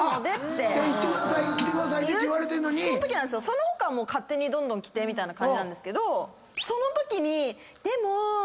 その他は勝手にどんどん着てみたいな感じなんですけどそのときに。